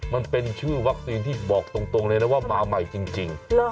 มันเป็นชื่อวัคซีนที่บอกตรงเลยนะว่ามาใหม่จริง